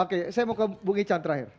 oke saya mau ke bung ican terakhir